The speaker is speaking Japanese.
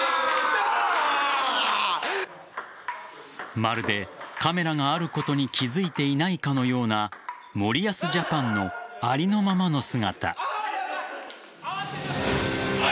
まるで、カメラがあることに気付いていないかのような森保ジャパンのありのままの姿。